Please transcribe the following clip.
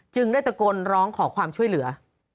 ได้ตะโกนร้องขอความช่วยเหลือ